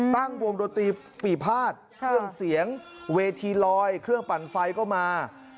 ตั้งวงดนตรีปีภาษเครื่องเสียงเวทีลอยเครื่องปั่นไฟก็มา